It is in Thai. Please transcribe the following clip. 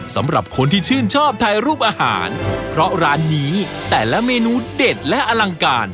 สำหรับคนที่ชื่นชอบถ่ายรูปอาหารเพราะร้านนี้แต่ละเมนูเด็ดและอลังการ